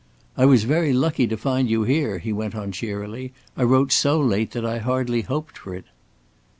"I was very lucky to find you here," he went on cheerily. "I wrote so late that I hardly hoped for it."